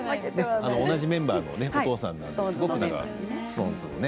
同じメンバーのお父さんですもんね。